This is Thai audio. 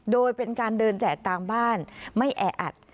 โดยเป็นการเดินแจกตามบ้านไม่แออัด